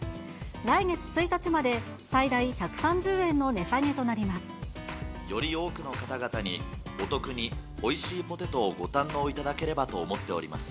来月１日まで最大１３０円の値下より多くの方々に、お得においしいポテトをご堪能いただければと思っております。